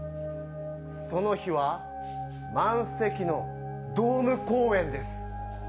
その日は満席のドーム公演です。